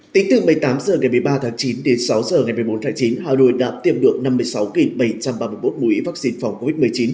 tính từ một mươi tám h ngày một mươi ba tháng chín đến sáu h ngày một mươi bốn tháng chín hà nội đã tiêm được năm mươi sáu bảy trăm ba mươi một mũi vaccine phòng covid một mươi chín